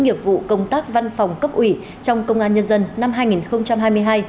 nghiệp vụ công tác văn phòng cấp ủy trong công an nhân dân năm hai nghìn hai mươi hai